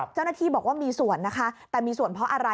เจ้าหน้าที่บอกว่ามีส่วนนะคะแต่มีส่วนเพราะอะไร